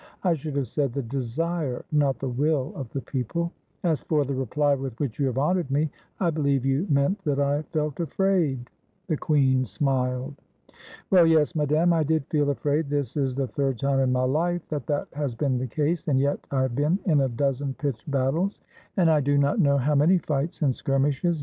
I should have said the desire, not the will, of the people. As for the reply with 256 IN THE DAYS OF THE FRONDE which you have honored me, I beUeve you meant that I felt afraid." The queen smiled. "Well, yes, Madame, I did feel afraid; this is the third time in my life that that has been the case, and yet I have been in a dozen pitched battles, and I do not know how many fights and skirmishes.